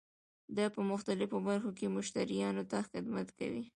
دا په مختلفو برخو کې مشتریانو ته خدمت کوي.